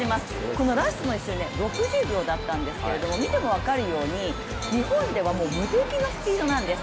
このラスト１周６０秒だったんですけども見ても分かるように、日本では無敵のスピードなんです。